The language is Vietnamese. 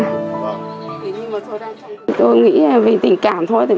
tôi nghĩ vì tình cảm thôi